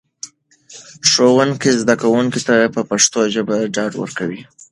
ښوونکي زده کوونکو ته په پښتو ژبه ډاډ ورکړ.